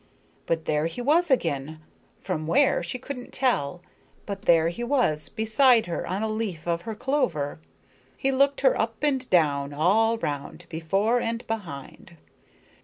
But there he was again. From where, she couldn't tell, but there he was, beside her, on a leaf of her clover. He looked her up and down, all round, before and behind.